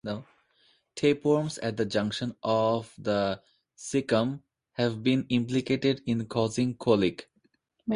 Tapeworms at the junction of the cecum have been implicated in causing colic.